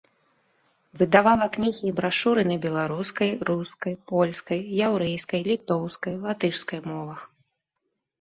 Выдавала кнігі і брашуры на беларускай, рускай, польскай, яўрэйскай, літоўскай, латышскай мовах.